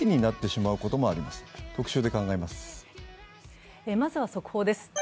まずは速報です。